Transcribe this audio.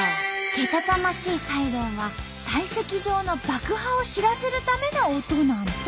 けたたましいサイレンは砕石場の爆破を知らせるための音なんと！